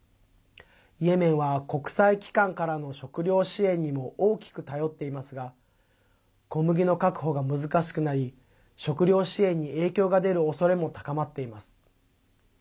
イエメンは国際機関からの食糧支援にも大きく頼っていますが小麦の確保が難しくなり食糧支援に影響が出るおそれも高まっています。